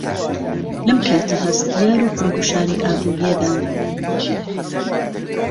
لهم كاته ههستیار و پڕ گوشاری ئابوورییه دا